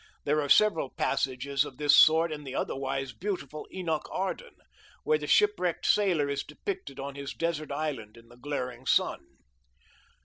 There are several passages of this sort in the otherwise beautiful Enoch Arden, where the shipwrecked sailor is depicted on his desert island in the glaring sun.